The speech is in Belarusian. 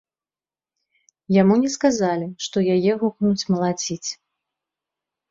Яму не сказалі, што яе гукнуць малаціць.